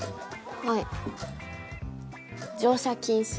はい。